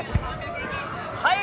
はい！